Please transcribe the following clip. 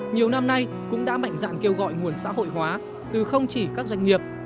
nhiều năm nay cũng đã mạnh dạn kêu gọi nguồn xã hội hóa từ không chỉ các doanh nghiệp